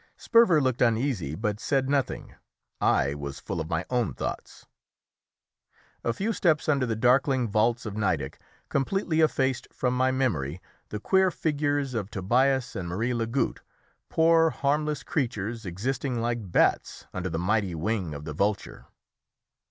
Sperver looked uneasy, but said nothing. I was full of my own thoughts. A few steps under the darkling vaults of Nideck completely effaced from my memory the queer figures of Tobias and Marie Lagoutte, poor harmless creatures, existing like bats under the mighty wing of the vulture.